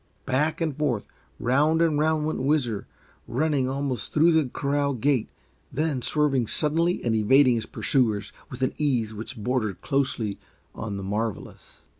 Back and forth, round and round went Whizzer, running almost through the corral gate, then swerving suddenly and evading his pursuers with an ease which bordered closely on the marvelous.